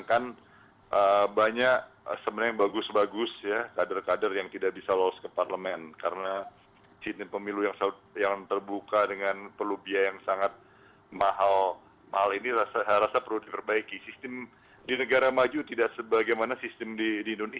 kita tidak pernah menyangka lah kejadian ini